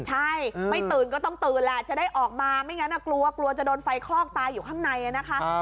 ใช่ไม่ตื่นก็ต้องตื่นแหละจะได้ออกมาไม่งั้นกลัวกลัวจะโดนไฟคลอกตายอยู่ข้างในนะคะ